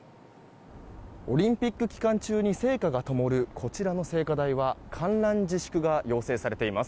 オリンピック期間中に聖火がともるこちらの聖火台は観覧自粛が要請されています。